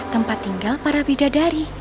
tempat tinggal para bidadari